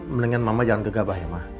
mendingan mama jangan gegabah ya mah